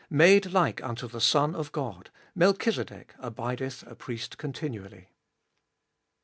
Made like unto the Son of God, Melchizedek abideth a priest continually.